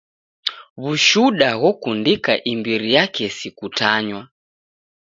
W'ushuda ghokundika imbiri ya kesi kutanywa.